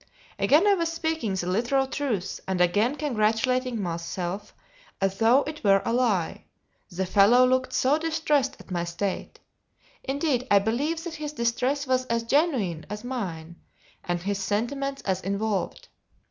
Again I was speaking the literal truth, and again congratulating myself as though it were a lie: the fellow looked so distressed at my state; indeed I believe that his distress was as genuine as mine, and his sentiments as involved.